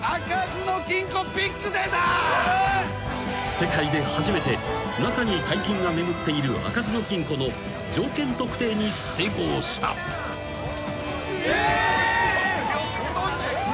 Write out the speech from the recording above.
［世界で初めて中に大金が眠っている開かずの金庫の条件特定に成功した］えーっ！？